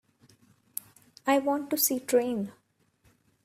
I want to see Train